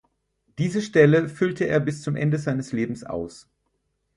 Diese Stelle füllte er bis zum Ende seines Lebens aus.